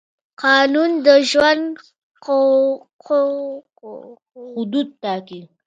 قانون د ژوند کولو حدود ټاکي.